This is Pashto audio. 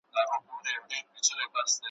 هيبتي ناري به واورئ ,